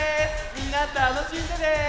みんなたのしんでね！